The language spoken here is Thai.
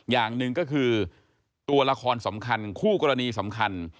อย่างหนึ่งก็คือตัวละครสำคัญคู่กรณีสำคัญ